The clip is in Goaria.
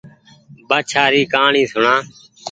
بآڇآ ري ڪهآڻي سوڻا